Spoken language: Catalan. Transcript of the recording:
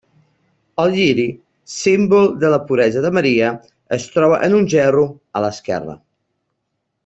Ell lliri, símbol de la puresa de Maria es troba en un gerro, a l'esquerra.